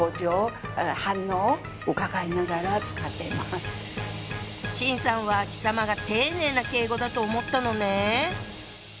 はぁ⁉秦さんは「貴様」が丁寧な敬語だと思ったのね。